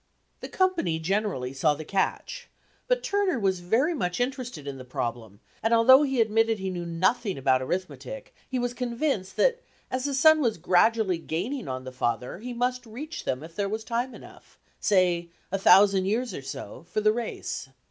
The company generally saw the catch; but Turner was very much interested in the problem, and although he admitted he knew nothing about arithmetic he was convinced that as the son was gradually gaining on the father he must reach him if there was time enough say, a thousand years, or so for the race.